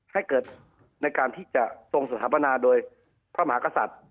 ให้เกิดในการที่จะทรงสถาปนาโดยพระมหากษัตริย์